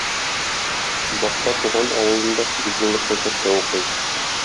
Башта туган авылында сигезьеллык мәктәптә укый.